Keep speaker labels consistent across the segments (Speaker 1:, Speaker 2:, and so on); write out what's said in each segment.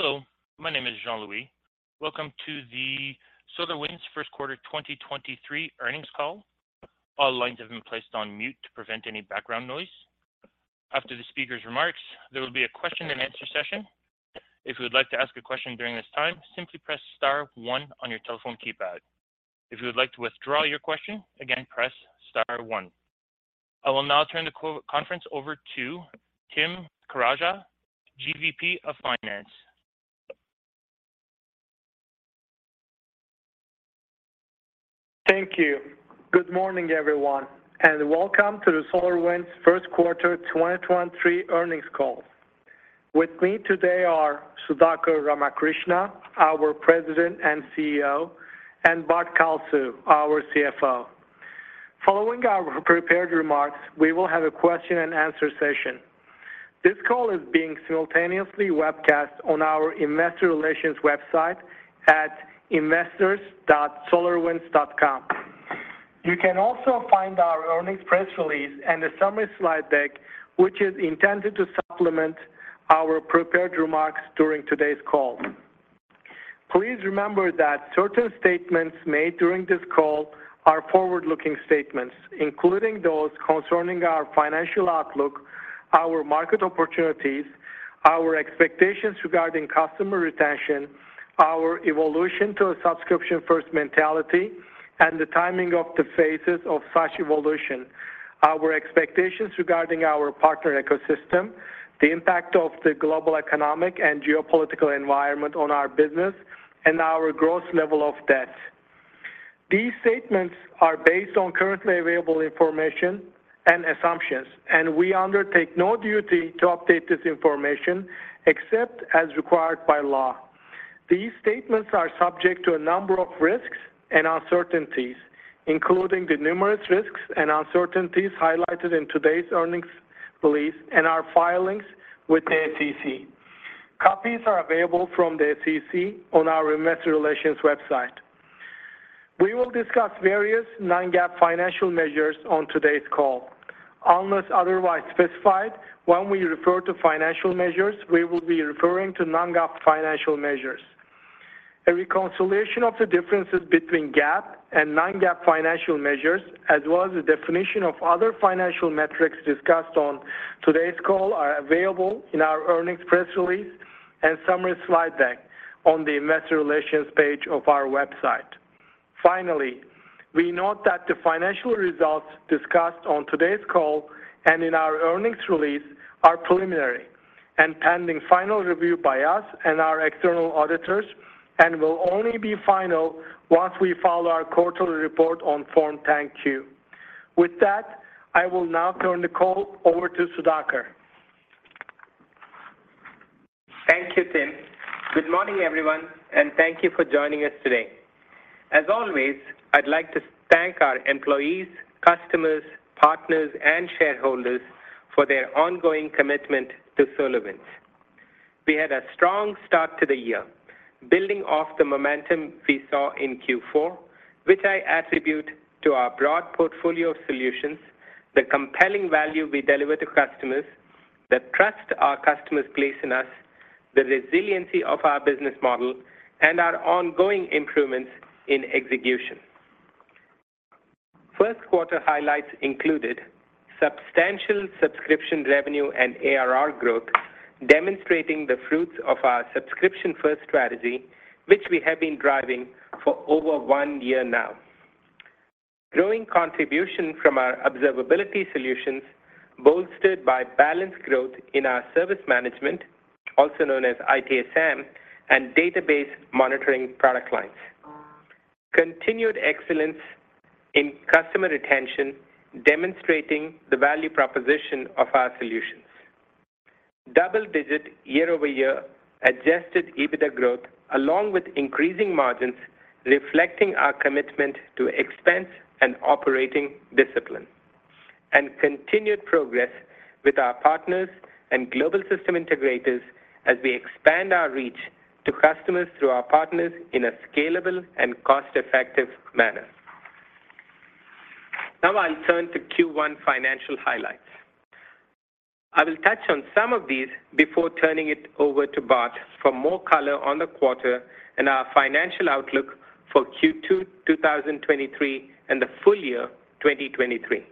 Speaker 1: Hello, my name is Jean-Louis. Welcome to the SolarWinds First Quarter 2023 Earnings Call. All lines have been placed on mute to prevent any background noise. After the speaker's remarks, there will be a question and answer session. If you would like to ask a question during this time, simply press star one on your telephone keypad. If you would like to withdraw your question again, press star one. I will now turn the co-conference over to Tim Karaca, GVP of Finance.
Speaker 2: Thank you. Good morning, everyone, and welcome to the SolarWinds First Quarter 2023 Earnings Call. With me today are Sudhakar Ramakrishna, our President and CEO, and Bart Kalsu, our CFO. Following our prepared remarks, we will have a question and answer session. This call is being simultaneously webcast on our investor relations website at investors.solarwinds.com. You can also find our earnings press release and the summary slide deck, which is intended to supplement our prepared remarks during today's call. Please remember that certain statements made during this call are forward-looking statements, including those concerning our financial outlook, our market opportunities, our expectations regarding customer retention, our evolution to a subscription first mentality, and the timing of the phases of such evolution, our expectations regarding our partner ecosystem, the impact of the global economic and geopolitical environment on our business, and our gross level of debt. These statements are based on currently available information and assumptions. We undertake no duty to update this information except as required by law. These statements are subject to a number of risks and uncertainties, including the numerous risks and uncertainties highlighted in today's earnings release and our filings with the SEC. Copies are available from the SEC on our investor relations website. We will discuss various non-GAAP financial measures on today's call. Unless otherwise specified, when we refer to financial measures, we will be referring to non-GAAP financial measures. A reconciliation of the differences between GAAP and non-GAAP financial measures, as well as the definition of other financial metrics discussed on today's call, are available in our earnings press release and summary slide deck on the investor relations page of our website. We note that the financial results discussed on today's call and in our earnings release are preliminary and pending final review by us and our external auditors and will only be final once we file our quarterly report on Form 10-Q. With that, I will now turn the call over to Sudhakar.
Speaker 3: Thank you, Tim. Good morning, everyone, and thank you for joining us today. As always, I'd like to thank our employees, customers, partners, and shareholders for their ongoing commitment to SolarWinds. We had a strong start to the year, building off the momentum we saw in Q4, which I attribute to our broad portfolio of solutions, the compelling value we deliver to customers, the trust our customers place in us, the resiliency of our business model, and our ongoing improvements in execution. First quarter highlights included substantial subscription revenue and ARR growth, demonstrating the fruits of our subscription first strategy, which we have been driving for over one year now. Growing contribution from our observability solutions, bolstered by balanced growth in our service management, also known as ITSM, and database monitoring product lines. Continued excellence in customer retention, demonstrating the value proposition of our solutions. Double-digit year-over-year Adjusted EBITDA growth, along with increasing margins, reflecting our commitment to expense and operating discipline. Continued progress with our partners and global system integrators as we expand our reach to customers through our partners in a scalable and cost-effective manner. Now I'll turn to Q1 financial highlights. I will touch on some of these before turning it over to Bart for more color on the quarter and our financial outlook for Q2 2023 and the full year 2023.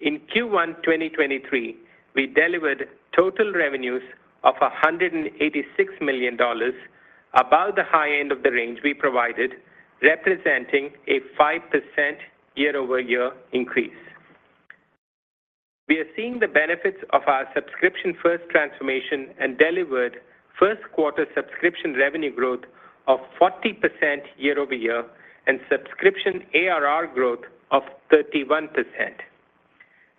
Speaker 3: In Q1 2023, we delivered total revenues of $186 million, above the high end of the range we provided, representing a 5% year-over-year increase. We are seeing the benefits of our subscription first transformation and delivered first quarter subscription revenue growth of 40% year-over-year and subscription ARR growth of 31%.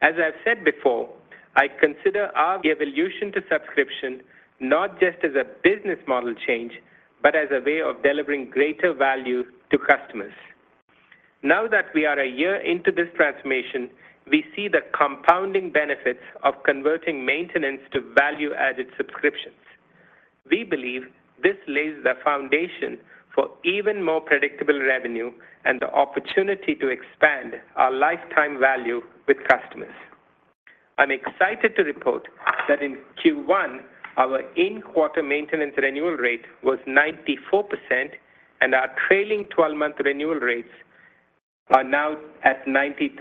Speaker 3: As I've said before, I consider our evolution to subscription not just as a business model change, but as a way of delivering greater value to customers. Now that we are a year into this transformation, we see the compounding benefits of converting maintenance to value-added subscriptions. We believe this lays the foundation for even more predictable revenue and the opportunity to expand our lifetime value with customers. I'm excited to report that in Q1, our in-quarter maintenance renewal rate was 94%, and our trailing 12-month renewal rates are now at 93%.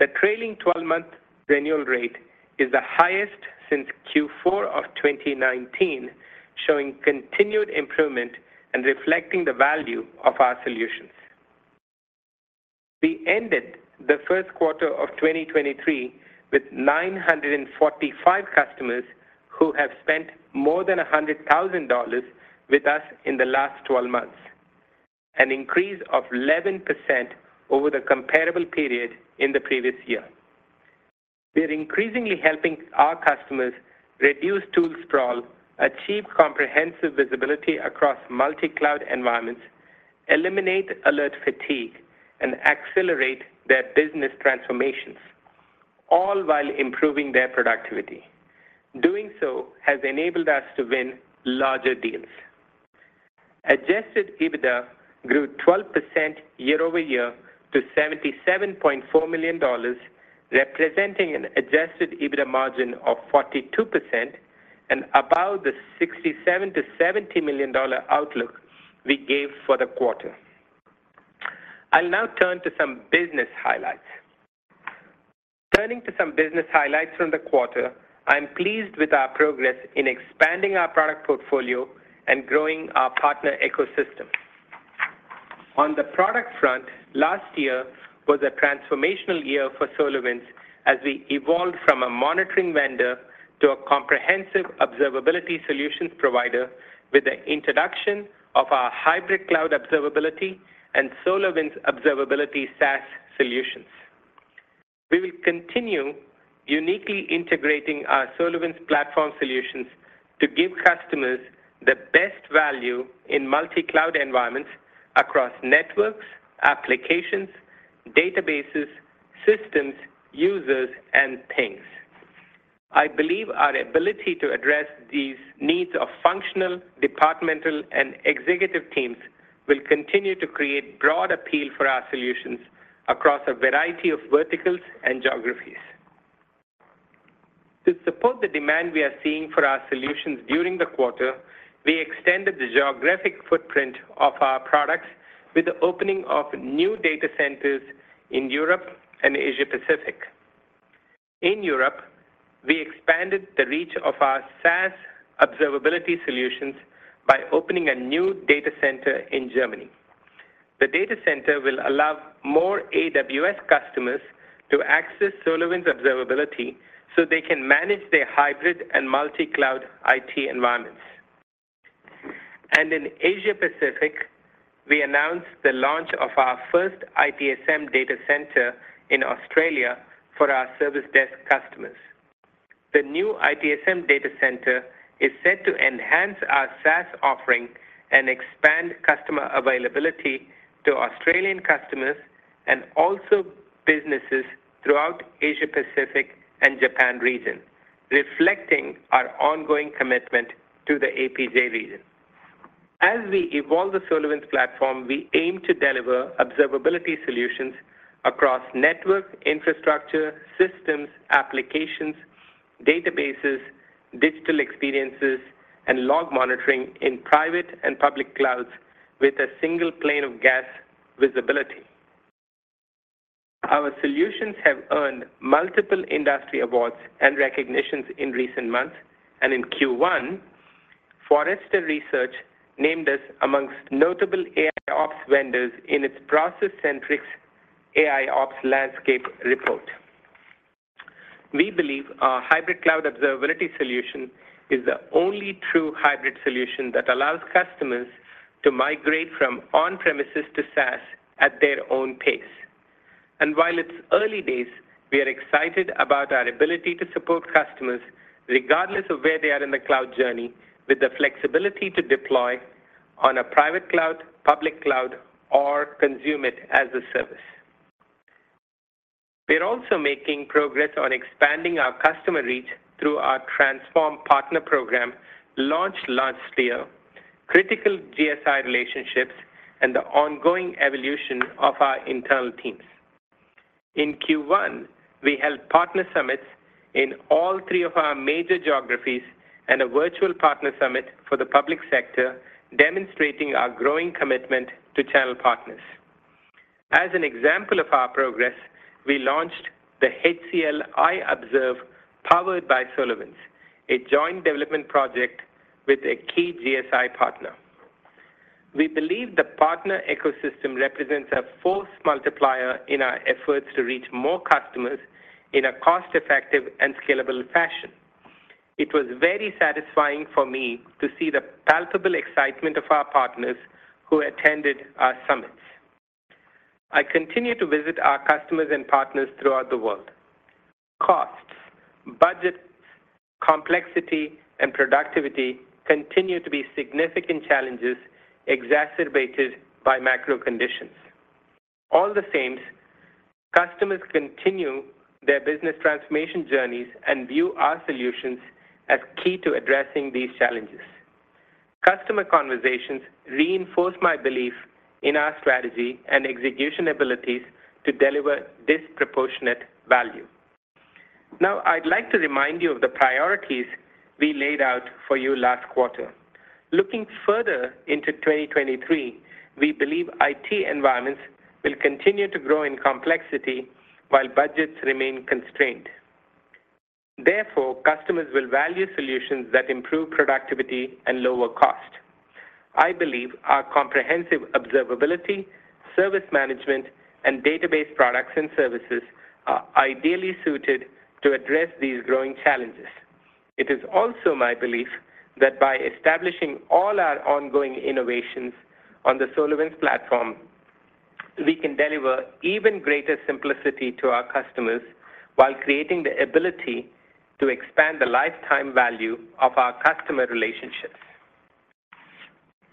Speaker 3: The trailing 12-month renewal rate is the highest since Q4 of 2019, showing continued improvement and reflecting the value of our solutions. We ended the first quarter of 2023 with 945 customers who have spent more than $100,000 with us in the last 12 months, an increase of 11% over the comparable period in the previous year. We are increasingly helping our customers reduce tool sprawl, achieve comprehensive visibility across multi-cloud environments, eliminate alert fatigue, and accelerate their business transformations, all while improving their productivity. Doing so has enabled us to win larger deals. Adjusted EBITDA grew 12% year-over-year to $77.4 million, representing an Adjusted EBITDA margin of 42% and about the $67 million-$70 million outlook we gave for the quarter. I'll now turn to some business highlights. Turning to some business highlights from the quarter, I'm pleased with our progress in expanding our product portfolio and growing our partner ecosystem. On the product front, last year was a transformational year for SolarWinds as we evolved from a monitoring vendor to a comprehensive observability solutions provider with the introduction of our Hybrid Cloud Observability and SolarWinds Observability SaaS solutions. We will continue uniquely integrating our SolarWinds Platform solutions to give customers the best value in multi-cloud environments across networks, applications, databases, systems, users, and things. I believe our ability to address these needs of functional, departmental, and executive teams will continue to create broad appeal for our solutions across a variety of verticals and geographies. To support the demand we are seeing for our solutions during the quarter, we extended the geographic footprint of our products with the opening of new data centers in Europe and Asia Pacific. In Europe, we expanded the reach of our SaaS observability solutions by opening a new data center in Germany. The data center will allow more AWS customers to access SolarWinds Observability. They can manage their hybrid and multi-cloud IT environments. In Asia Pacific, we announced the launch of our first ITSM data center in Australia for our service desk customers. The new ITSM data center is set to enhance our SaaS offering and expand customer availability to Australian customers and also businesses throughout Asia Pacific and Japan region, reflecting our ongoing commitment to the APJ region. As we evolve the SolarWinds Platform, we aim to deliver observability solutions across network, infrastructure, systems, applications, databases, digital experiences, and log monitoring in private and public clouds with a single pane of glass visibility. Our solutions have earned multiple industry awards and recognitions in recent months. In Q1, Forrester Research named us amongst notable AIOps vendors in its Process-Centric AIOps Landscape report. We believe our hybrid cloud observability solution is the only true hybrid solution that allows customers to migrate from on-premises to SaaS at their own pace. While it's early days, we are excited about our ability to support customers regardless of where they are in their cloud journey, with the flexibility to deploy on a private cloud, public cloud, or Consume as a Service. We are also making progress on expanding our customer reach through our transformed partner program launched last year, critical GSI relationships, and the ongoing evolution of our internal teams. In Q1, we held partner summits in all three of our major geographies and a virtual partner summit for the public sector, demonstrating our growing commitment to channel partners. As an example of our progress, we launched the HCL iObserve powered by SolarWinds, a joint development project with a key GSI partner. We believe the partner ecosystem represents a force multiplier in our efforts to reach more customers in a cost-effective and scalable fashion. It was very satisfying for me to see the palpable excitement of our partners who attended our summits. I continue to visit our customers and partners throughout the world. Costs, budget, complexity, and productivity continue to be significant challenges exacerbated by macro conditions. All the same, customers continue their business transformation journeys and view our solutions as key to addressing these challenges. Customer conversations reinforce my belief in our strategy and execution abilities to deliver disproportionate value. I'd like to remind you of the priorities we laid out for you last quarter. Looking further into 2023, we believe IT environments will continue to grow in complexity while budgets remain constrained. Customers will value solutions that improve productivity and lower cost. I believe our comprehensive observability, service management, and database products and services are ideally suited to address these growing challenges. It is also my belief that by establishing all our ongoing innovations on the SolarWinds Platform, we can deliver even greater simplicity to our customers while creating the ability to expand the lifetime value of our customer relationships.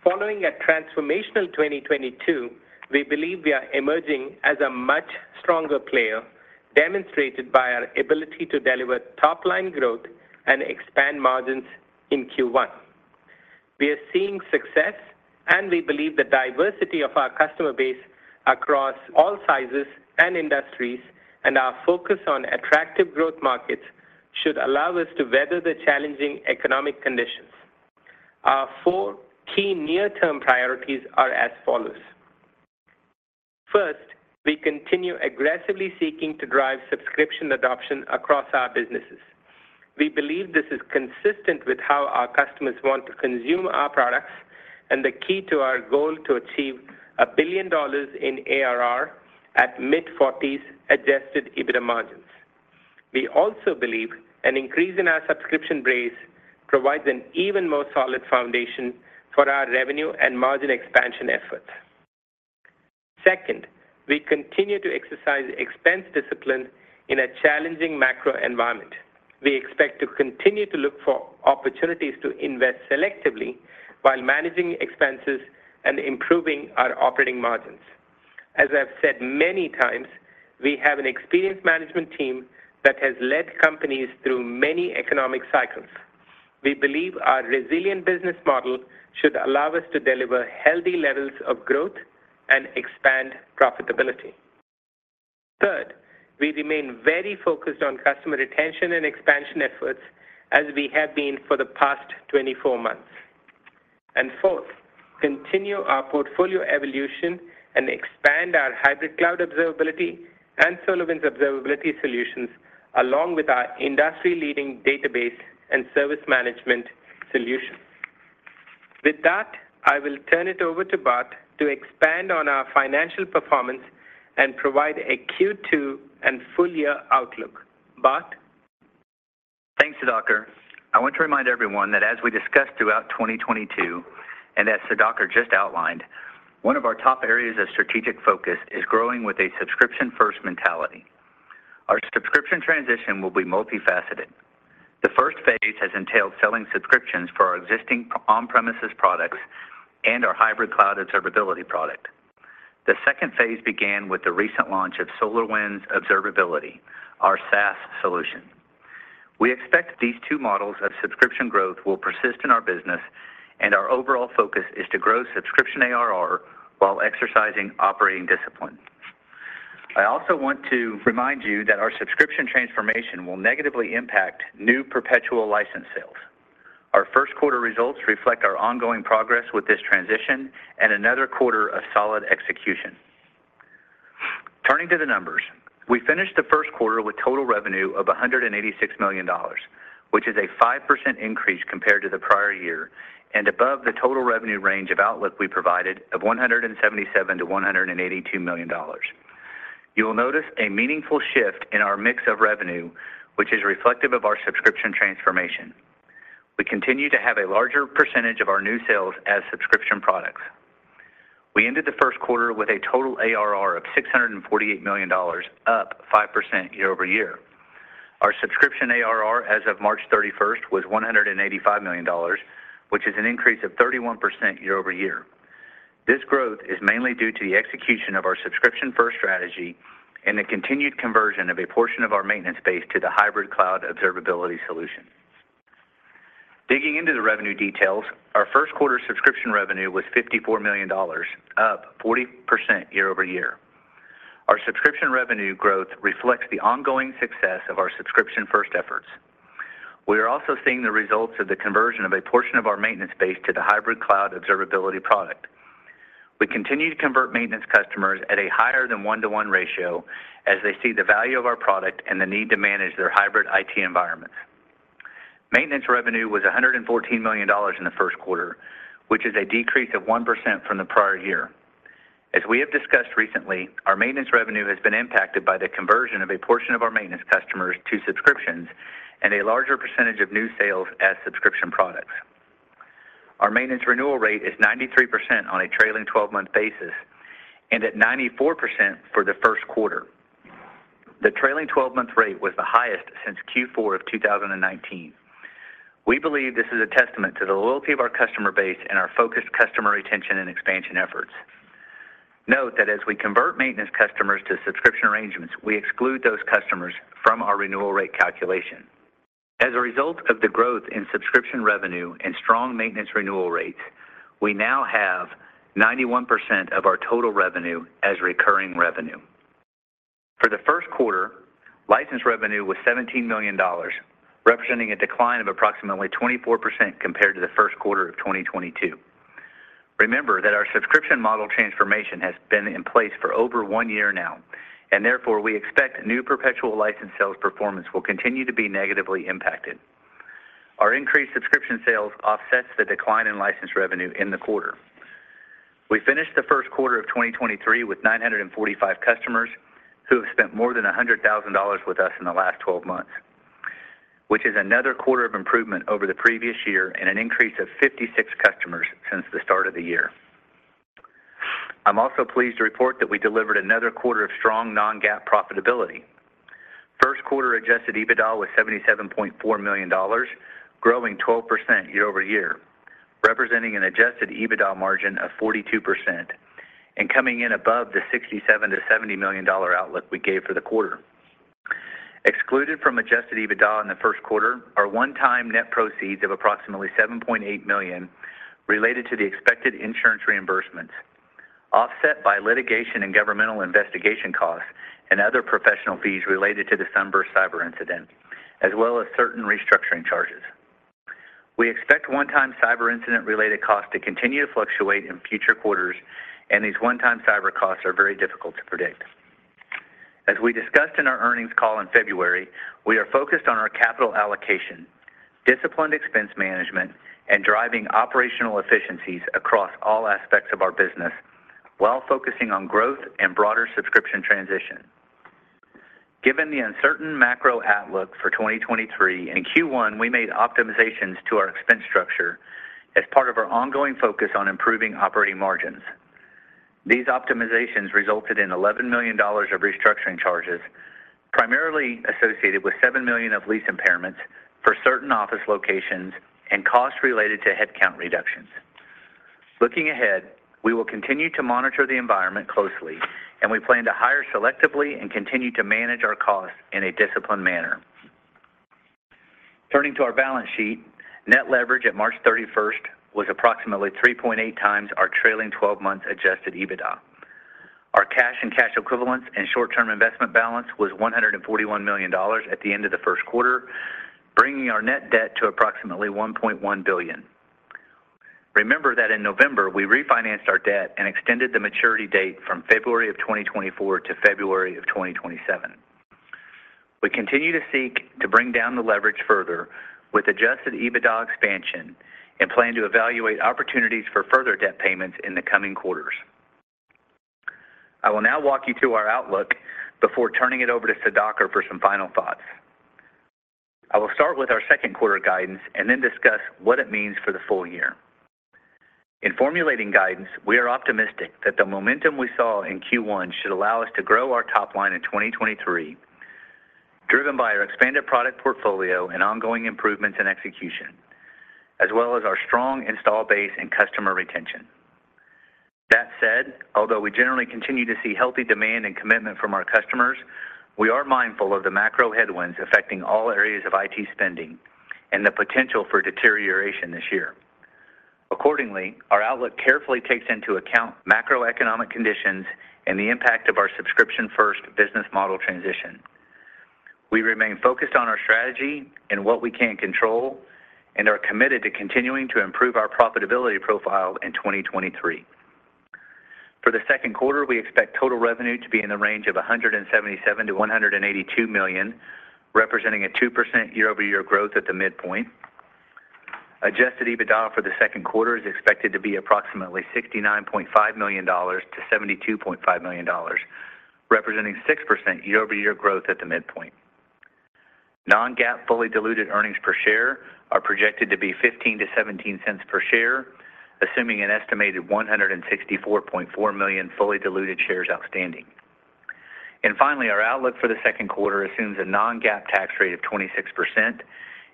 Speaker 3: Following a transformational 2022, we believe we are emerging as a much stronger player, demonstrated by our ability to deliver top-line growth and expand margins in Q1. We are seeing success, we believe the diversity of our customer base across all sizes and industries, and our focus on attractive growth markets should allow us to weather the challenging economic conditions. Our four key near-term priorities are as follows. First, we continue aggressively seeking to drive subscription adoption across our businesses. We believe this is consistent with how our customers want to consume our products and the key to our goal to achieve $1 billion in ARR at mid-40s Adjusted EBITDA margins. We believe an increase in our subscription base provides an even more solid foundation for our revenue and margin expansion efforts. Second, we continue to exercise expense discipline in a challenging macro environment. We expect to continue to look for opportunities to invest selectively while managing expenses and improving our operating margins. As I've said many times, we have an experienced management team that has led companies through many economic cycles. We believe our resilient business model should allow us to deliver healthy levels of growth and expand profitability. Third, we remain very focused on customer retention and expansion efforts as we have been for the past 24 months. Fourth, continue our portfolio evolution and expand our Hybrid Cloud Observability and SolarWinds Observability solutions along with our industry leading database and service management solutions. With that, I will turn it over to Bart to expand on our financial performance and provide a Q2 and full year outlook. Bart.
Speaker 4: Thanks, Sudhakar. I want to remind everyone that as we discussed throughout 2022, and as Sudhakar just outlined, one of our top areas of strategic focus is growing with a subscription first mentality. Our subscription transition will be multifaceted. The first phase has entailed selling subscriptions for our existing on-premises products and our Hybrid Cloud Observability product. The second phase began with the recent launch of SolarWinds Observability, our SaaS solution. We expect these two models of subscription growth will persist in our business, and our overall focus is to grow subscription ARR while exercising operating discipline. I also want to remind you that our subscription transformation will negatively impact new perpetual license sales. Our first quarter results reflect our ongoing progress with this transition and another quarter of solid execution. Turning to the numbers. We finished the first quarter with total revenue of $186 million, which is a 5% increase compared to the prior year and above the total revenue range of outlook we provided of $177 million-$182 million. You will notice a meaningful shift in our mix of revenue, which is reflective of our subscription transformation. We continue to have a larger percentage of our new sales as subscription products. We ended the first quarter with a total ARR of $648 million, up 5% year-over-year. Our subscription ARR as of March 31st was $185 million, which is an increase of 31% year-over-year. This growth is mainly due to the execution of our subscription first strategy and the continued conversion of a portion of our maintenance base to the Hybrid Cloud Observability solution. Digging into the revenue details, our first quarter subscription revenue was $54 million, up 40% year-over-year. Our subscription revenue growth reflects the ongoing success of our subscription first efforts. We are also seeing the results of the conversion of a portion of our maintenance base to the Hybrid Cloud Observability product. We continue to convert maintenance customers at a higher than 1:1 ratio as they see the value of our product and the need to manage their hybrid IT environments. Maintenance revenue was $114 million in the first quarter, which is a decrease of 1% from the prior year. As we have discussed recently, our maintenance revenue has been impacted by the conversion of a portion of our maintenance customers to subscriptions and a larger percentage of new sales as subscription products. Our maintenance renewal rate is 93% on a trailing 12 month basis and at 94% for the first quarter. The trailing 12 month rate was the highest since Q4 of 2019. We believe this is a testament to the loyalty of our customer base and our focused customer retention and expansion efforts. Note that as we convert maintenance customers to subscription arrangements, we exclude those customers from our renewal rate calculation. As a result of the growth in subscription revenue and strong maintenance renewal rates, we now have 91% of our total revenue as recurring revenue. For the first quarter, license revenue was $17 million, representing a decline of approximately 24% compared to the first quarter of 2022. Remember that our subscription model transformation has been in place for over 1 year now, and therefore, we expect new perpetual license sales performance will continue to be negatively impacted. Our increased subscription sales offsets the decline in license revenue in the quarter. We finished the first quarter of 2023 with 945 customers who have spent more than $100,000 with us in the last 12 months, which is another quarter of improvement over the previous year and an increase of 56 customers since the start of the year. I'm also pleased to report that we delivered another quarter of strong non-GAAP profitability. First quarter Adjusted EBITDA was $77.4 million, growing 12% year-over-year, representing an Adjusted EBITDA margin of 42% and coming in above the $67 million-$70 million outlook we gave for the quarter. Excluded from Adjusted EBITDA in the first quarter are one-time net proceeds of approximately $7.8 million related to the expected insurance reimbursements, offset by litigation and governmental investigation costs and other professional fees related to December's cyber incident, as well as certain restructuring charges. We expect one-time cyber incident-related costs to continue to fluctuate in future quarters, and these one-time cyber costs are very difficult to predict. As we discussed in our earnings call in February, we are focused on our capital allocation, disciplined expense management, and driving operational efficiencies across all aspects of our business while focusing on growth and broader subscription transition. Given the uncertain macro outlook for 2023, in Q1, we made optimizations to our expense structure as part of our ongoing focus on improving operating margins. These optimizations resulted in $11 million of restructuring charges, primarily associated with $7 million of lease impairments for certain office locations and costs related to headcount reductions. Looking ahead, we will continue to monitor the environment closely, and we plan to hire selectively and continue to manage our costs in a disciplined manner. Turning to our balance sheet, net leverage at March 31st was approximately 3.8x our trailing 12-month Adjusted EBITDA. Our cash and cash equivalents and short-term investment balance was $141 million at the end of the first quarter, bringing our net debt to approximately $1.1 billion. Remember that in November, we refinanced our debt and extended the maturity date from February of 2024 to February of 2027. We continue to seek to bring down the leverage further with Adjusted EBITDA expansion and plan to evaluate opportunities for further debt payments in the coming quarters. I will now walk you through our outlook before turning it over to Sudhakar for some final thoughts. I will start with our second quarter guidance and then discuss what it means for the full year. In formulating guidance, we are optimistic that the momentum we saw in Q1 should allow us to grow our top line in 2023, driven by our expanded product portfolio and ongoing improvements in execution, as well as our strong install base and customer retention. That said, although we generally continue to see healthy demand and commitment from our customers, we are mindful of the macro headwinds affecting all areas of IT spending and the potential for deterioration this year. Accordingly, our outlook carefully takes into account macroeconomic conditions and the impact of our subscription-first business model transition. We remain focused on our strategy and what we can control and are committed to continuing to improve our profitability profile in 2023. For the second quarter, we expect total revenue to be in the range of $177 million-$182 million, representing a 2% year-over-year growth at the midpoint. Adjusted EBITDA for the second quarter is expected to be approximately $69.5 million-$72.5 million, representing 6% year-over-year growth at the midpoint. Non-GAAP fully diluted earnings per share are projected to be $0.15-$0.17 per share, assuming an estimated 164.4 million fully diluted shares outstanding. Finally, our outlook for the second quarter assumes a non-GAAP tax rate of 26%,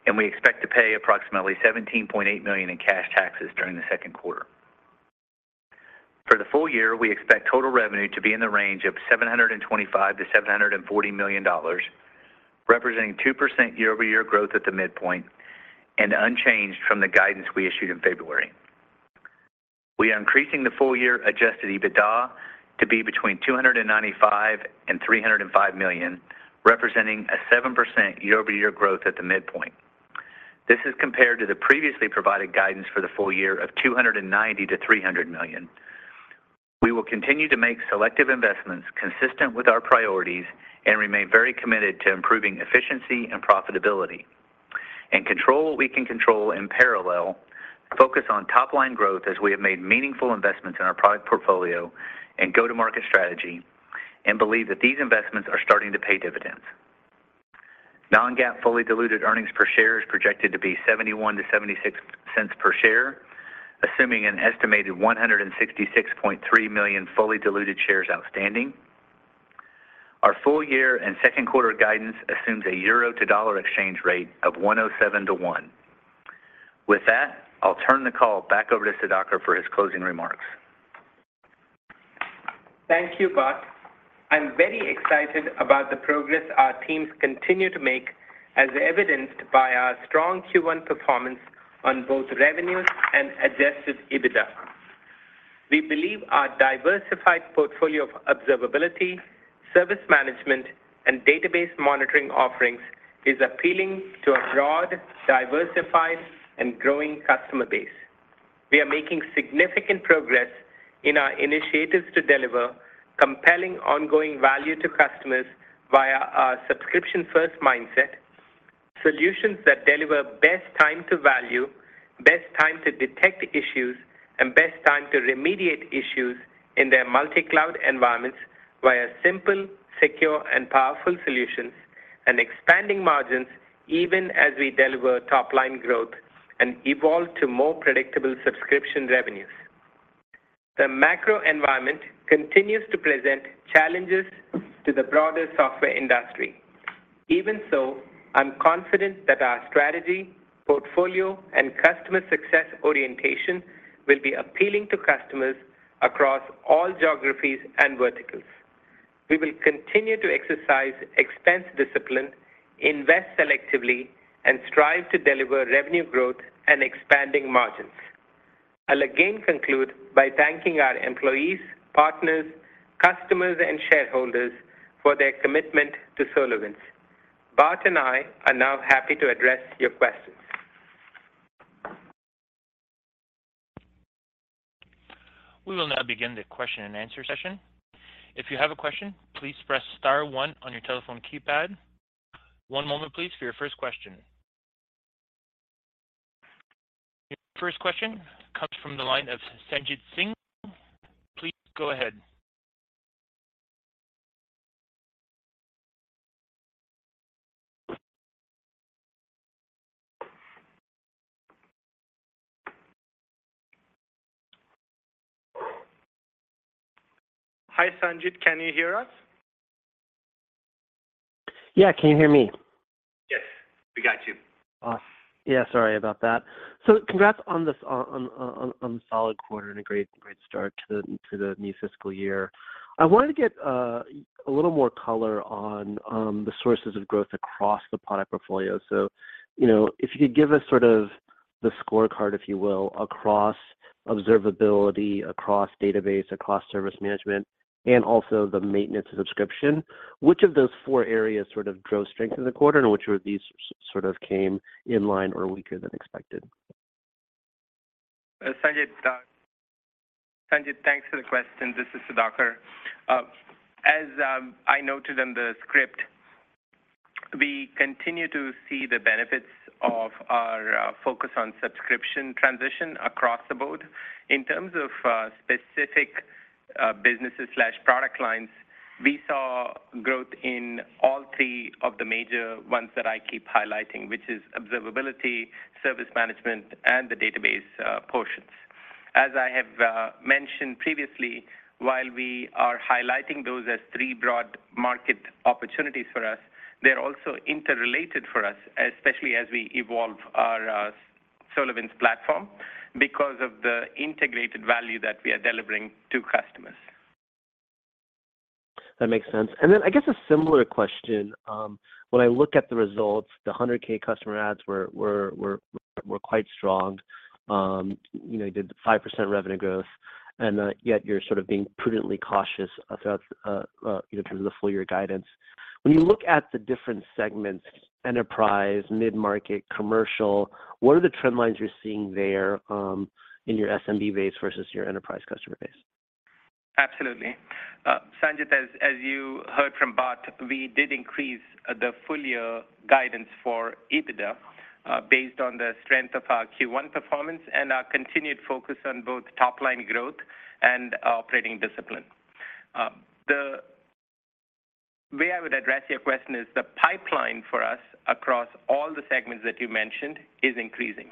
Speaker 4: and we expect to pay approximately $17.8 million in cash taxes during the second quarter. For the full year, we expect total revenue to be in the range of $725 million-$740 million, representing 2% year-over-year growth at the midpoint and unchanged from the guidance we issued in February. We are increasing the full year Adjusted EBITDA to be between $295 million-$305 million, representing a 7% year-over-year growth at the midpoint. This is compared to the previously provided guidance for the full year of $290 million-$300 million. We will continue to make selective investments consistent with our priorities and remain very committed to improving efficiency and profitability and control what we can control in parallel, focus on top line growth as we have made meaningful investments in our product portfolio and go-to-market strategy and believe that these investments are starting to pay dividends. non-GAAP fully diluted earnings per share is projected to be $0.71-$0.76 per share, assuming an estimated 166.3 million fully diluted shares outstanding. Our full year and second quarter guidance assumes a EUR to dollar exchange rate of 1.07:1. With that, I'll turn the call back over to Sudhakar for his closing remarks.
Speaker 3: Thank you, Bart. I'm very excited about the progress our teams continue to make as evidenced by our strong Q1 performance on both revenues and Adjusted EBITDA. We believe our diversified portfolio of observability, service management, and database monitoring offerings is appealing to a broad, diversified, and growing customer base. We are making significant progress in our initiatives to deliver compelling ongoing value to customers via our subscription-first mindset, solutions that deliver best time to value, best time to detect issues, and best time to remediate issues in their multi-cloud environments via simple, secure, and powerful solutions, and expanding margins even as we deliver top-line growth and evolve to more predictable subscription revenues. The macro environment continues to present challenges to the broader software industry. Even so, I'm confident that our strategy, portfolio, and customer success orientation will be appealing to customers across all geographies and verticals. We will continue to exercise expense discipline, invest selectively, and strive to deliver revenue growth and expanding margins. I'll again conclude by thanking our employees, partners, customers, and shareholders for their commitment to SolarWinds. Bart and I are now happy to address your questions.
Speaker 1: We will now begin the question and answer session. If you have a question, please press star one on your telephone keypad. One moment, please, for your first question. Your first question comes from the line of Sanjit Singh. Please go ahead. Hi, Sanjit. Can you hear us?
Speaker 5: Yeah. Can you hear me?
Speaker 3: Yes, we got you.
Speaker 5: Awesome. Yeah, sorry about that. Congrats on the solid quarter and a great start to the new fiscal year. I wanted to get a little more color on the sources of growth across the product portfolio. You know, if you could give us sort of the scorecard, if you will, across observability, across database, across service management, and also the maintenance subscription, which of those four areas sort of drove strength in the quarter, and which of these sort of came in line or weaker than expected?
Speaker 3: Sanjit, thanks for the question. This is Sudhakar. As I noted in the script, we continue to see the benefits of our focus on subscription transition across the board. In terms of specific businesses/product lines, we saw growth in all three of the major ones that I keep highlighting, which is observability, service management, and the database portions. As I have mentioned previously, while we are highlighting those as three broad market opportunities for us, they're also interrelated for us, especially as we evolve our SolarWinds's Platform because of the integrated value that we are delivering to customers.
Speaker 5: That makes sense. Then I guess a similar question. When I look at the results, the 100,000 customer adds were quite strong. You know, you did 5% revenue growth, and yet you're sort of being prudently cautious about, you know, in terms of the full year guidance. When you look at the different segments, enterprise, mid-market, commercial, what are the trend lines you're seeing there, in your SMB base versus your enterprise customer base?
Speaker 3: Absolutely. Sanjit, as you heard from Bart, we did increase the full year guidance for EBITDA, based on the strength of our Q1 performance and our continued focus on both top-line growth and operating discipline. The way I would address your question is the pipeline for us across all the segments that you mentioned is increasing.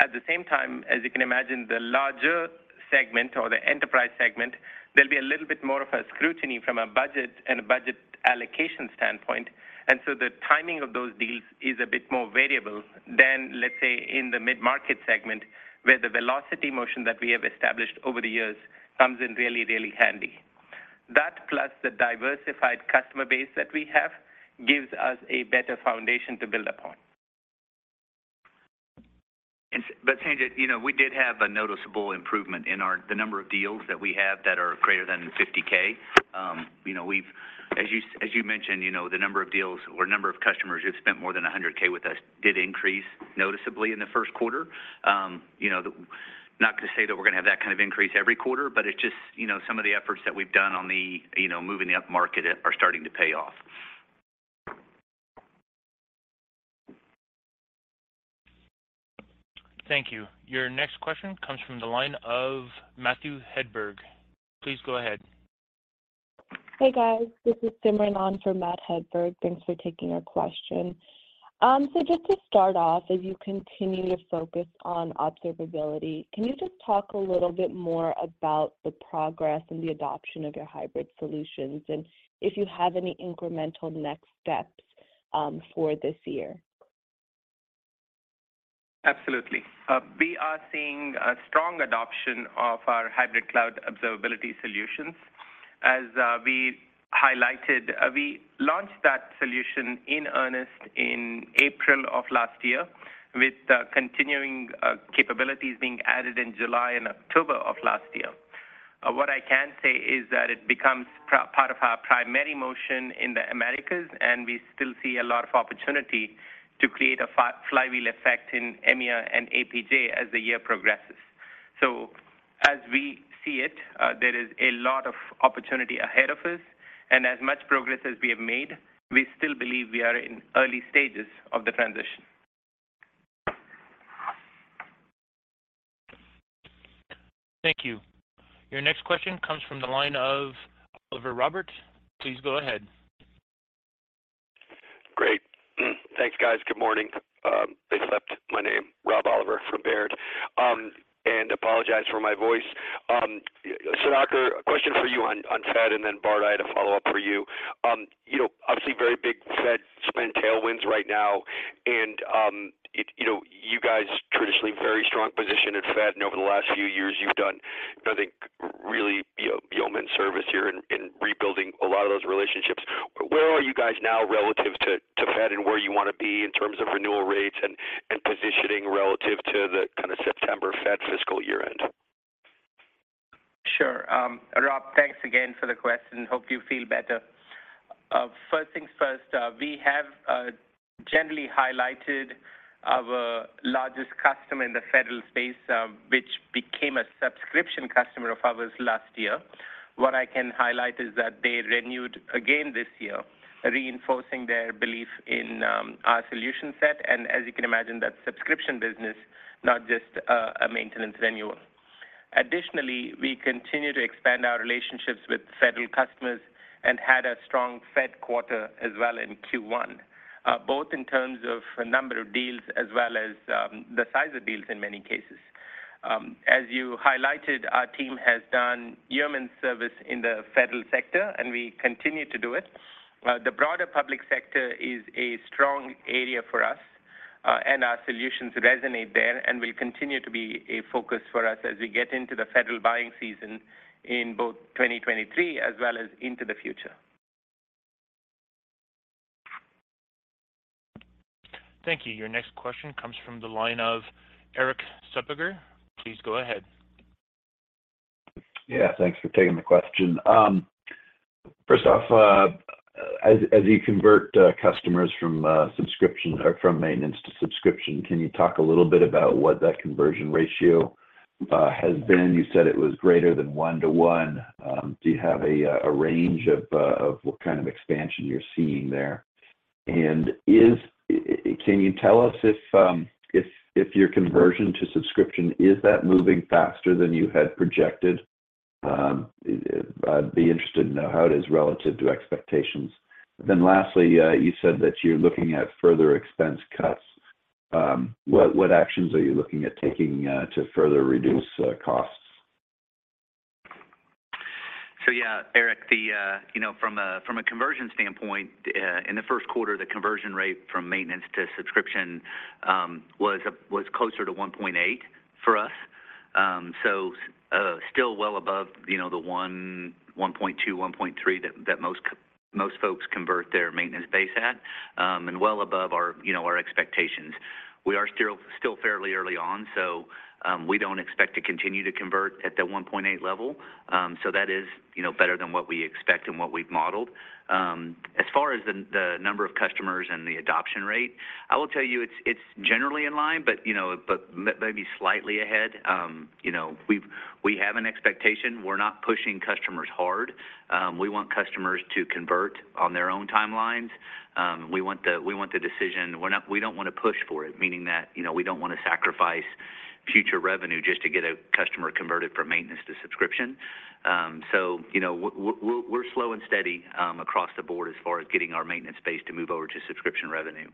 Speaker 3: At the same time, as you can imagine, the larger segment or the enterprise segment, there'll be a little bit more of a scrutiny from a budget and a budget allocation standpoint. The timing of those deals is a bit more variable than, let's say, in the mid-market segment, where the velocity motion that we have established over the years comes in really, really handy. That plus the diversified customer base that we have gives us a better foundation to build upon.
Speaker 4: Sanjit Singh, you know, we did have a noticeable improvement in the number of deals that we have that are greater than $50,000. You know, as you, as you mentioned, you know, the number of deals or number of customers who've spent more than $100,000 with us did increase noticeably in the first quarter. You know, not to say that we're gonna have that kind of increase every quarter, but it's just, you know, some of the efforts that we've done on the, you know, moving upmarket are starting to pay off.
Speaker 1: Thank you. Your next question comes from the line of Matthew Hedberg. Please go ahead.
Speaker 6: Hey, guys. This is Simran on for Matt Hedberg. Thanks for taking our question. Just to start off, as you continue to focus on observability, can you just talk a little bit more about the progress and the adoption of your hybrid solutions and if you have any incremental next steps for this year?
Speaker 3: Absolutely. We are seeing a strong adoption of our hybrid cloud observability solutions. As we highlighted, we launched that solution in earnest in April of last year with continuing capabilities being added in July and October of last year. What I can say is that it becomes part of our primary motion in the Americas, and we still see a lot of opportunity to create a flywheel effect in EMEA and APJ as the year progresses. As we see it, there is a lot of opportunity ahead of us, and as much progress as we have made, we still believe we are in early stages of the transition.
Speaker 1: Thank you. Your next question comes from the line of Rob Oliver. Please go ahead.
Speaker 7: Great. Thanks, guys. Good morning. Rob Oliver from Baird. Apologize for my voice. Sudhakar, a question for you on Fed, and then Bart, I had a follow-up for you. You know, obviously very big Fed spend tailwinds right now, and, you know, you guys traditionally very strong position at Fed, and over the last few years, you've done, I think, really yeoman service here in rebuilding a lot of those relationships. Where are you guys now relative to Fed and where you want to be in terms of renewal rates and positioning relative to the kind of September Fed fiscal year end?
Speaker 3: Sure. Rob, thanks again for the question. Hope you feel better. First things first, we have generally highlighted our largest customer in the federal space, which became a subscription customer of ours last year. What I can highlight is that they renewed again this year, reinforcing their belief in our solution set, and as you can imagine, that subscription business, not just a maintenance renewal. Additionally, we continue to expand our relationships with federal customers and had a strong Fed quarter as well in Q1, both in terms of number of deals as well as the size of deals in many cases. As you highlighted, our team has done yeoman service in the federal sector, and we continue to do it. The broader public sector is a strong area for us, and our solutions resonate there and will continue to be a focus for us as we get into the federal buying season in both 2023 as well as into the future.
Speaker 1: Thank you. Your next question comes from the line of Erik Suppiger. Please go ahead.
Speaker 8: Thanks for taking the question. First off, as you convert customers from subscription or from maintenance to subscription, can you talk a little bit about what that conversion ratio has been? You said it was greater than 1:1. Do you have a range of what kind of expansion you're seeing there? Can you tell us if your conversion to subscription, is that moving faster than you had projected? I'd be interested to know how it is relative to expectations. Lastly, you said that you're looking at further expense cuts. What actions are you looking at taking to further reduce costs?
Speaker 3: Yeah, Erik, the, you know, from a, from a conversion standpoint, in the first quarter, the conversion rate from maintenance to subscription, was closer to 1.8 for us. Still well above, you know, the 1.2, 1.3 that most folks convert their maintenance base at, and well above our, you know, our expectations. We are still fairly early on, so we don't expect to continue to convert at the 1.8 level. That is, you know, better than what we expect and what we've modeled. As far as the number of customers and the adoption rate, I will tell you it's generally in line, but, you know, but maybe slightly ahead. You know, we have an expectation. We're not pushing customers hard. We want customers to convert on their own timelines. We want the, we want the decision. We don't want to push for it, meaning that, you know, we don't want to sacrifice future revenue just to get a customer converted from maintenance to subscription. You know, we're slow and steady across the board as far as getting our maintenance base to move over to subscription revenue.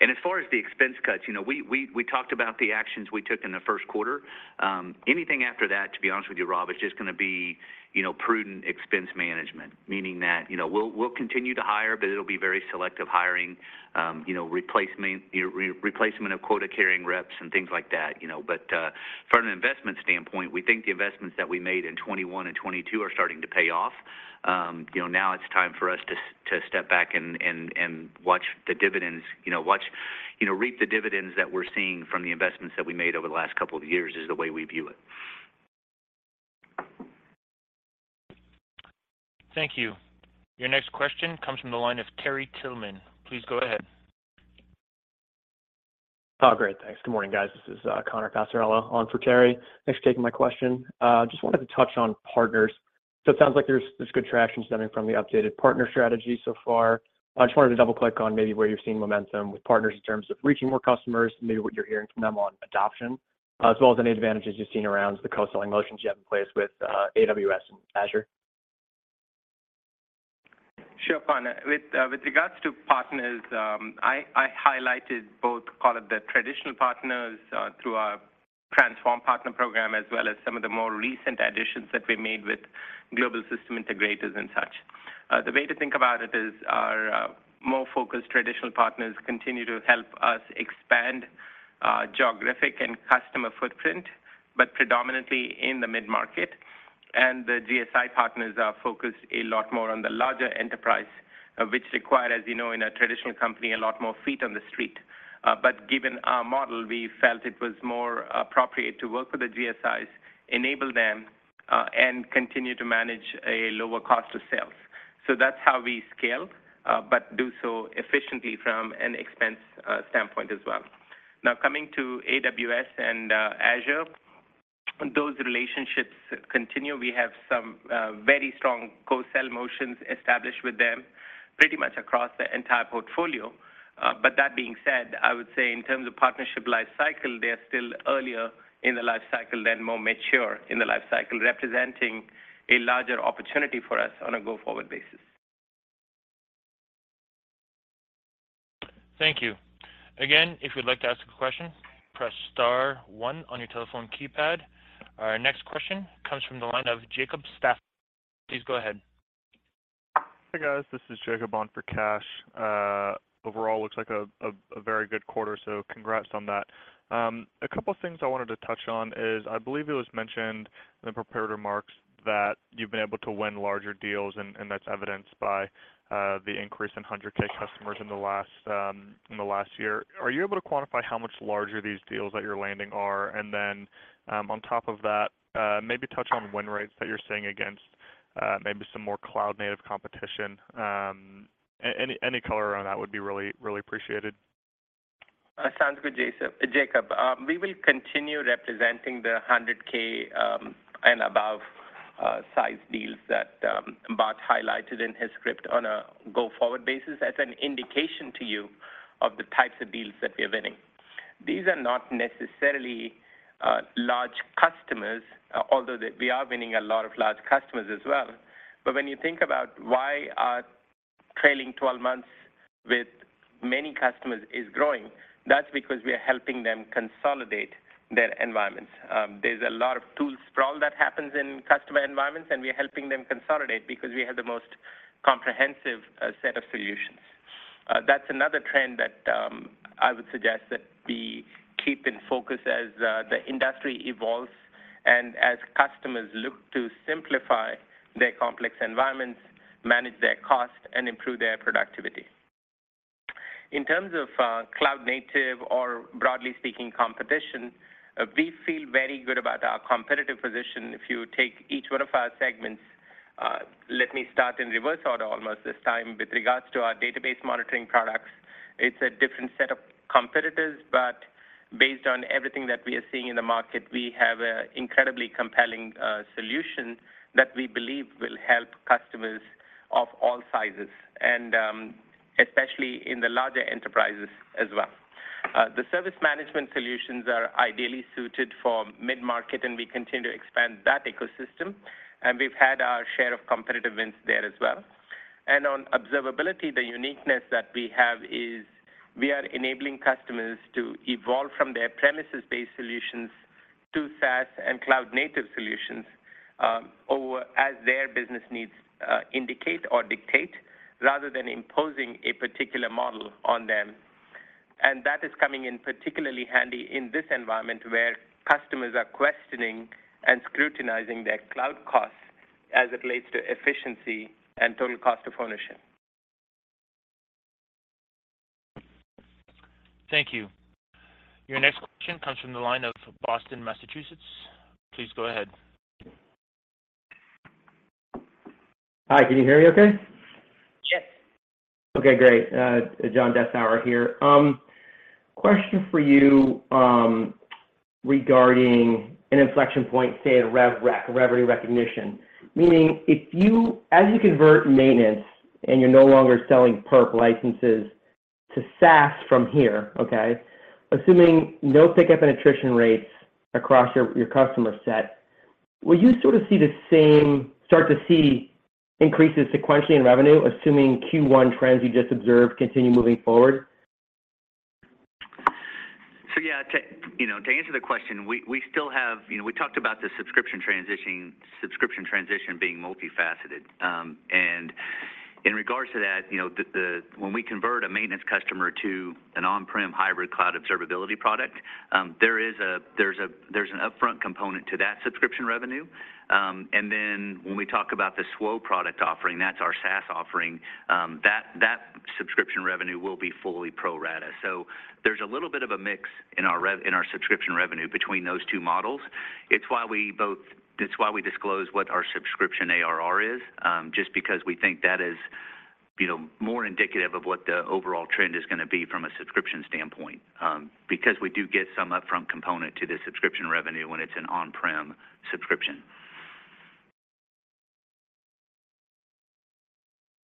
Speaker 3: As far as the expense cuts, you know, we talked about the actions we took in the first quarter. Anything after that, to be honest with you, Rob, is just going to be, you know, prudent expense management, meaning that, you know, we'll continue to hire, but it'll be very selective hiring, you know, replacement of quota-carrying reps and things like that, you know. From an investment standpoint, we think the investments that we made in 2021 and 2022 are starting to pay off. you know, now it's time for us to step back and watch the dividends, you know, reap the dividends that we're seeing from the investments that we made over the last couple of years is the way we view it.
Speaker 1: Thank you. Your next question comes from the line of Terry Tillman. Please go ahead.
Speaker 9: Great. Thanks. Good morning, guys. This is Connor Passarella on for Terry. Thanks for taking my question. Just wanted to touch on partners. It sounds like there's good traction stemming from the updated partner strategy so far. I just wanted to double-click on maybe where you're seeing momentum with partners in terms of reaching more customers and maybe what you're hearing from them on adoption, as well as any advantages you've seen around the co-selling motions you have in place with AWS and Azure.
Speaker 3: Sure, Con. With regards to partners, I highlighted both call it the traditional partners through our transform partner program, as well as some of the more recent additions that we made with global system integrators and such. The way to think about it is our more focused traditional partners continue to help us expand geographic and customer footprint, but predominantly in the mid-market. The GSI partners are focused a lot more on the larger enterprise, which require, as you know, in a traditional company, a lot more feet on the street. But given our model, we felt it was more appropriate to work with the GSIs, enable them and continue to manage a lower cost of sales. That's how we scale, but do so efficiently from an expense standpoint as well. Coming to AWS and Azure, those relationships continue. We have some very strong co-sell motions established with them pretty much across the entire portfolio. That being said, I would say in terms of partnership life cycle, they are still earlier in the life cycle than more mature in the life cycle, representing a larger opportunity for us on a go-forward basis.
Speaker 1: Thank you. Again, if you'd like to ask a question, press star one on your telephone keypad. Our next question comes from the line of Jacob Staffel. Please go ahead.
Speaker 10: Hi, guys. This is Jacob on for Kash. Overall looks like a very good quarter, so congrats on that. A couple of things I wanted to touch on is, I believe it was mentioned in the prepared remarks that you've been able to win larger deals, and that's evidenced by the increase in 100,000 customers in the last year. Are you able to quantify how much larger these deals that you're landing are? On top of that, maybe touch on win rates that you're seeing against maybe some more cloud-native competition. Any color around that would be really appreciated.
Speaker 3: Sounds good, Jacob. We will continue representing the 100,000 and above size deals that Bart highlighted in his script on a go-forward basis as an indication to you of the types of deals that we are winning. These are not necessarily large customers, although we are winning a lot of large customers as well. When you think about why our trailing 12 months with many customers is growing, that's because we are helping them consolidate their environments. There's a lot of tool sprawl that happens in customer environments, and we are helping them consolidate because we have the most comprehensive set of solutions. That's another trend that I would suggest that we keep in focus as the industry evolves and as customers look to simplify their complex environments, manage their cost, and improve their productivity. In terms of cloud native or broadly speaking, competition, we feel very good about our competitive position if you take each one of our segments. Let me start in reverse order almost this time. With regards to our database monitoring products, it's a different set of competitors, but based on everything that we are seeing in the market, we have a incredibly compelling solution that we believe will help customers of all sizes and especially in the larger enterprises as well. The service management solutions are ideally suited for mid-market, and we continue to expand that ecosystem, and we've had our share of competitive wins there as well. On observability, the uniqueness that we have is we are enabling customers to evolve from their premises-based solutions to SaaS and cloud-native solutions, or as their business needs indicate or dictate, rather than imposing a particular model on them. That is coming in particularly handy in this environment where customers are questioning and scrutinizing their cloud costs as it relates to efficiency and total cost of ownership.
Speaker 1: Thank you. Your next question comes from the line of John Dessauer. Please go ahead.
Speaker 11: Hi, can you hear me okay?
Speaker 1: Yes.
Speaker 11: Okay, great. John Dessauer here. Question for you, regarding an inflection point, say, in rev rec, revenue recognition. Meaning as you convert maintenance and you're no longer selling perp licenses to SaaS from here, okay? Assuming no pickup in attrition rates across your customer set, will you sort of start to see increases sequentially in revenue, assuming Q1 trends you just observed continue moving forward?
Speaker 3: Yeah, to, you know, to answer the question, we still have—you know, we talked about the subscription transition being multifaceted. And in regards to that, you know, the—When we convert a maintenance customer to an on-prem Hybrid Cloud Observability product, there's an upfront component to that subscription revenue. And then when we talk about the SWO product offering, that's our SaaS offering, that subscription revenue will be fully pro rata. There's a little bit of a mix in our subscription revenue between those two models. It's why we both—It's why we disclose what our subscription ARR is, just because we think that is, you know, more indicative of what the overall trend is gonna be from a subscription standpoint, because we do get some upfront component to the subscription revenue when it's an on-prem subscription.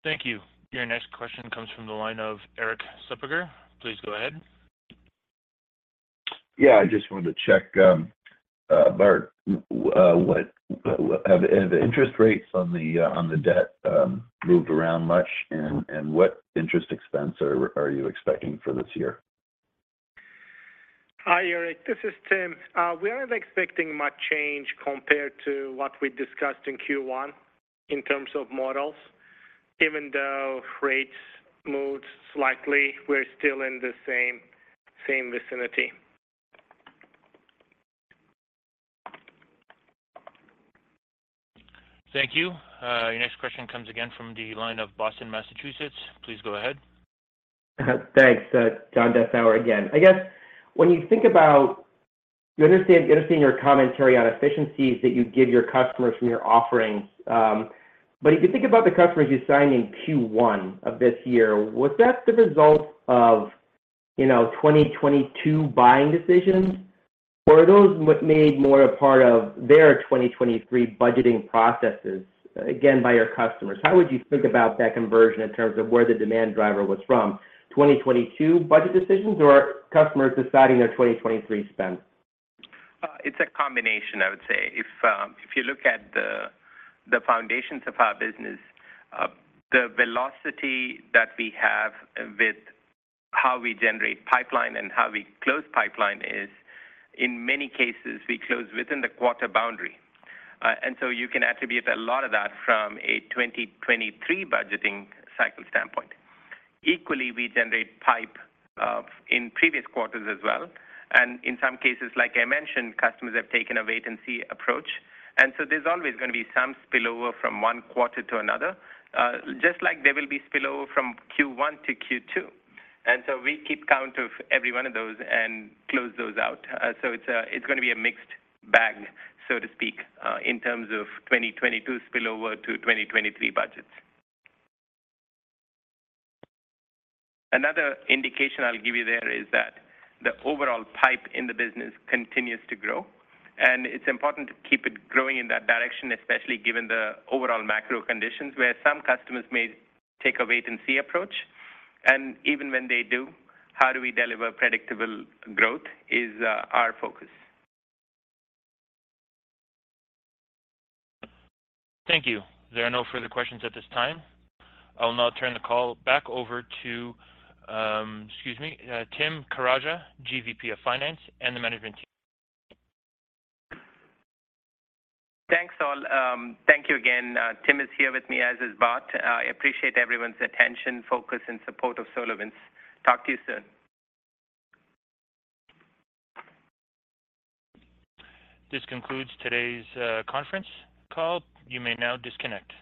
Speaker 1: Thank you. Your next question comes from the line of Erik Suppiger. Please go ahead.
Speaker 8: I just wanted to check, Bart, what have the interest rates on the debt moved around much? What interest expense are you expecting for this year?
Speaker 2: Hi, Erik, this is Tim. We aren't expecting much change compared to what we discussed in Q1 in terms of models. Even though rates moved slightly, we're still in the same vicinity.
Speaker 1: Thank you. Your next question comes again from the line of John Dessauer. Please go ahead.
Speaker 11: Thanks. John Dessauer again. I guess when you think about—You understand your commentary on efficiencies that you give your customers from your offerings. If you think about the customers you signed in Q1 of this year, was that the result of 2022 buying decisions? Or are those made more a part of their 2023 budgeting processes, again, by your customers? How would you think about that conversion in terms of where the demand driver was from, 2022 budget decisions or customers deciding their 2023 spend?
Speaker 3: It's a combination, I would say. If you look at the foundations of our business, the velocity that we have with how we generate pipeline and how we close pipeline is in many cases we close within the quarter boundary. You can attribute a lot of that from a 2023 budgeting cycle standpoint. Equally, we generate pipe in previous quarters as well, and in some cases, like I mentioned, customers have taken a wait-and-see approach. There's always gonna be some spillover from one quarter to another, just like there will be spillover from Q1 to Q2. We keep count of every one of those and close those out. It's gonna be a mixed bag, so to speak, in terms of 2022 spillover to 2023 budgets. Another indication I'll give you there is that the overall pipe in the business continues to grow, and it's important to keep it growing in that direction, especially given the overall macro conditions, where some customers may take a wait-and-see approach. Even when they do, how do we deliver predictable growth is, our focus.
Speaker 1: Thank you. There are no further questions at this time. I'll now turn the call back over to, excuse me, Tim Karaca, GVP of Finance and the management team.
Speaker 3: Thanks, all. Thank you again. Tim is here with me, as is Bart. I appreciate everyone's attention, focus and support of SolarWinds. Talk to you soon.
Speaker 1: This concludes today's conference call. You may now disconnect.